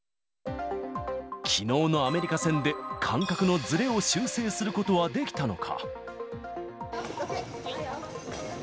きのうのアメリカ戦で感覚のずれを修正することはできたのか。